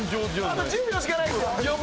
あと１０秒しかないですよ！